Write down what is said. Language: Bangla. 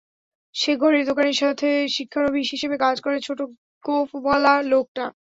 সে ঘড়ির দোকানির সাথে শিক্ষানবিশ হিসেবে কাজ করে ছোট গোঁফওয়ালা লোকটা?